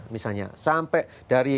misalnya sampai dari